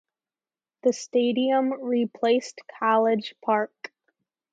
The stadium replaced College Park.